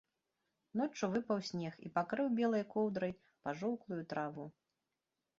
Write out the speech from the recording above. Ноччу выпаў снег і пакрыў белай коўдрай пажоўклую траву.